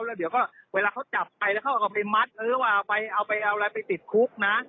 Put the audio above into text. แล้วเดี๋ยวก็เวลาเขาจับไปแล้วเขาก็เอาไปมัดเอาไปเอาอะไรไปติดคุกนะ